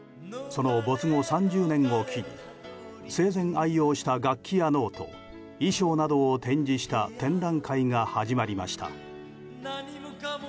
その没後３０年を機に生前、愛用した楽器やノート、衣装などを展示した展覧会が始まりました。